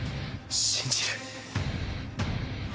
信じる。